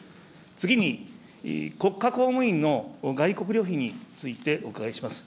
次に、国家公務員の外国旅費についてお伺いします。